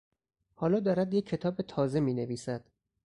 حالا دارد یک کتاب تازه می نویسد.